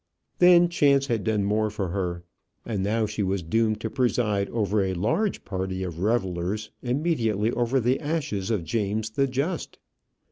Then chance had done more for her; and now she was doomed to preside over a large party of revellers immediately over the ashes of James the Just.